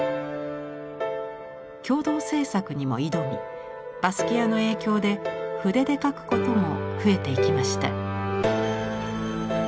共同制作にも挑みバスキアの影響で筆で描くことも増えていきました。